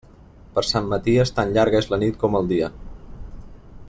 Per Sant Maties, tan llarga és la nit com el dia.